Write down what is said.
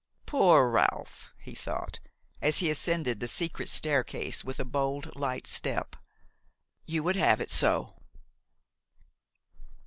"Poor Ralph!" he thought as he ascended the secret staircase with a bold, light step, "you would have it so!"